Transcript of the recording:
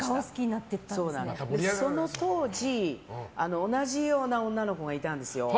その当時同じような女の子がいたんですよ。